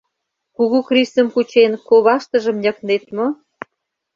Кугу крисым кучен, коваштыжым ньыктнет мо?